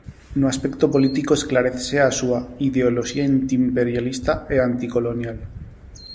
No aspecto político esclarécese a súa "ideoloxía antiimperialista e anticolonial".